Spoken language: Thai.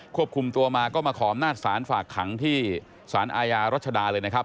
ควบคุมตัวมาก็มาขออำนาจศาลฝากขังที่สารอาญารัชดาเลยนะครับ